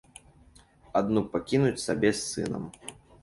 Адну пакінуць сабе з сынам.